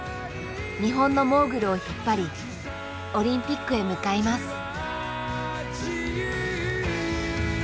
日本のモーグルを引っ張りオリンピックへ向かいます。